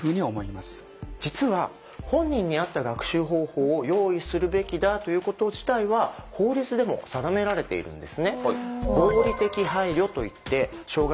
実は本人に合った学習方法を用意するべきだということ自体は法律でも定められているんですね。